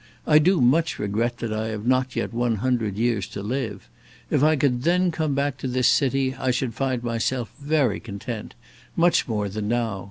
I do much regret that I have not yet one hundred years to live. If I could then come back to this city, I should find myself very content much more than now.